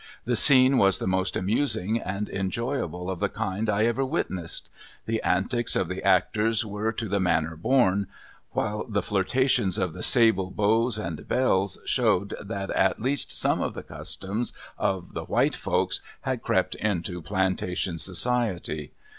The scene was the most amusing and enjoyable of the kind I ever witnessed. The antics of the actors were "to the manor born," while the flirtations of the sable beaus and belles showed that at least some of the customs of the white folks had crept into plantation society.